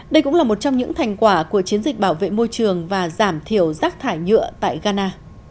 đây cũng là một trong những thành quả của chiến dịch bảo vệ môi trường và giảm thiểu rác thải nhựa tại ghana